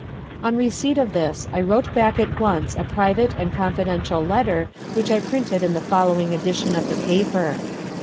On receipt of this I wrote back at once a private and confidential letter which I printed in the following edition of the paper.